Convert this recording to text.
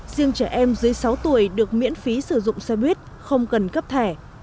riêng trẻ em dưới sáu tuổi được miễn phí sử dụng xe buýt không cần cấp thẻ